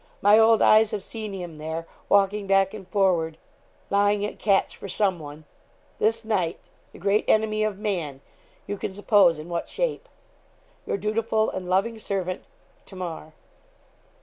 My old eyes have seen him there, walking back and forward, lying at catch for some one, this night the great enemy of man; you can suppose in what shape. 'Your dutiful and loving servant, TAMAR.'